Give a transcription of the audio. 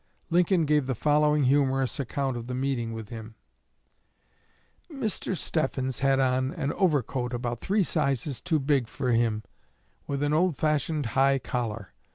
Lincoln gave the following humorous account of the meeting with him: "Mr. Stephens had on an overcoat about three sizes too big for him, with an old fashioned high collar.